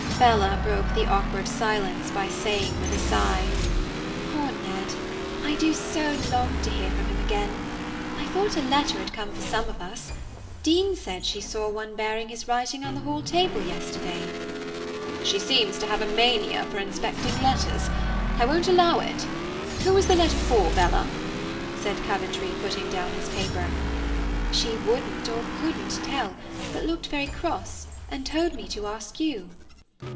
Bella broke the awkward silence by saying, with a sigh, "Poor Ned! I do so long to hear again from him. I thought a letter had come for some of us. Dean said she saw one bearing his writing on the hall table yesterday." "She seems to have a mania for inspecting letters. I won't allow it. Who was the letter for, Bella?" said Coventry, putting down his paper. "She wouldn't or couldn't tell, but looked very cross and told me to ask you."